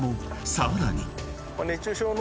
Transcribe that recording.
さらに］